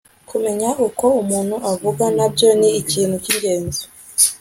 kumenya uko umuntu avugwa na byo ni ikintu cy ingenzi